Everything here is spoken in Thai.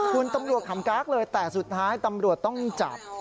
คุณตำรวจขำก๊ากเลยแต่สุดท้ายตำรวจต้องจับ